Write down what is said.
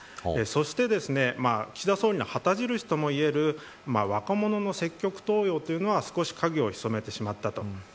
そして岸田総理の旗印ともいえる若者の積極登用というのは少し影を潜めてしまったと。